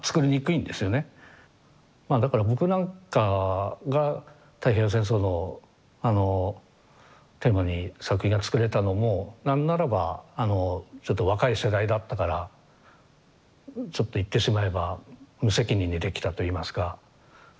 まあだから僕なんかが太平洋戦争のあのテーマに作品を作れたのも何ならばちょっと若い世代だったからちょっと言ってしまえば無責任にできたといいますか。